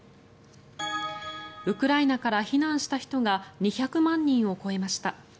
ウクライナから避難した人が２００万人を超えました。